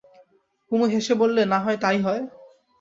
কুমু হেসে বললে, না-হয় তাই হয়।